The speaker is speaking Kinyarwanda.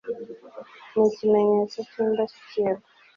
ni ikimenyetso cyindashyikirwa